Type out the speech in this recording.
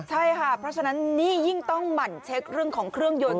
ใช่ค่ะเพราะฉะนั้นนี่ยิ่งต้องหมั่นเช็คเรื่องของเครื่องยนต์